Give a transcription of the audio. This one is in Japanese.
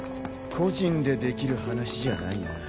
個人でできる話じゃないな。